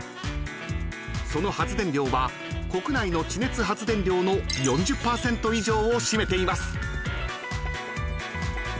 ［その発電量は国内の地熱発電量の４０％以上を占めています］